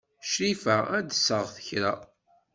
Crifa ad d-tseɣ kra.